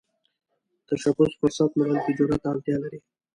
تشبث فرصت نه، بلکې جرئت ته اړتیا لري